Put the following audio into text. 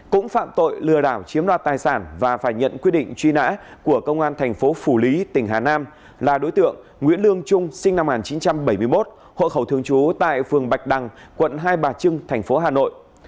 cũng phạm tội lừa đảo chiếm đoạt tài sản và phải nhận quyết định truy nã của công an thành phố phủ lý tỉnh hà nam là đối tượng nguyễn lương trung sinh năm một nghìn chín trăm bảy mươi một hộ khẩu thường trú tại phường bạch đằng quận hai bà trưng thành phố hà nội